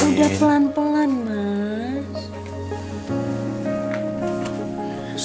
udah pelan pelan mas